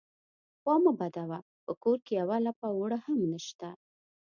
_خوا مه بدوه، په کور کې يوه لپه اوړه هم نشته.